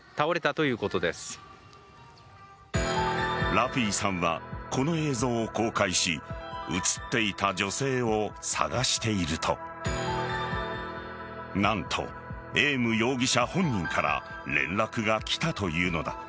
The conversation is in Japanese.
ラピーさんはこの映像を公開し映っていた女性を探していると何と、エーム容疑者本人から連絡がきたというのだ。